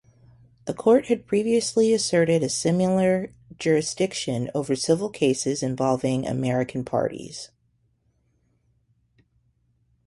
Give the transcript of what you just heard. The Court had previously asserted a similar jurisdiction over civil cases involving American parties.